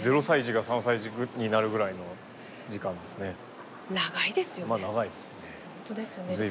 ０歳児が３歳児になるぐらいの時間ですね。